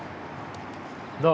どう？